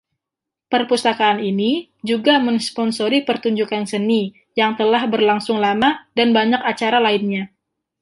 Perpustakaan ini juga mensponsori pertunjukan seni yang telah berlangsung lama dan banyak acara lainnya.